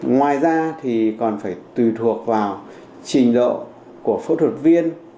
ngoài ra thì còn phải tùy thuộc vào trình độ của phẫu thuật viên